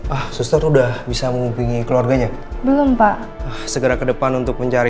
ah suster udah bisa menghubungi keluarganya belum pak segera ke depan untuk mencari